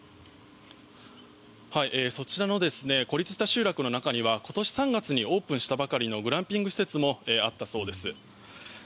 そちらの孤立した集落の中には今年３月にオープンしたばかりのグランピング施設もあったそうです。